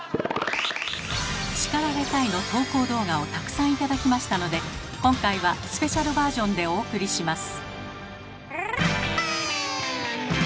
「叱られたい！」の投稿動画をたくさん頂きましたので今回はスペシャルバージョンでお送りします。